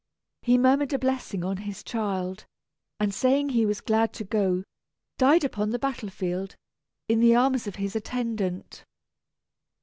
He murmured a blessing on his child, and saying he was glad to go, died upon the battle field, in the arms of his attendant.